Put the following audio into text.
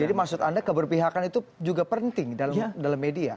jadi maksud anda keberpihakan itu juga penting dalam media